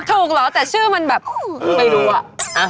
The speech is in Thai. เหรอแต่ชื่อมันแบบไม่รู้อ่ะ